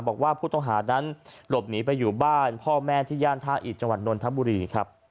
บอกว่าผู้ต้องหานั้นหลบหนีไปอยู่บ้านพ่อแม่ที่ย่านท่าอิตจังหวัดนนทบุรีครับ